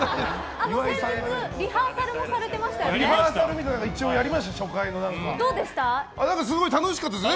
先日、リハーサルもされてましたよね。